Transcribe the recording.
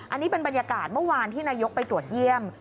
อันนี้เป็นบรรยากาศเมื่อวานที่นายกไปตรวจเยี่ยม